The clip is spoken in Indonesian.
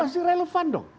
ya pasti relevan dong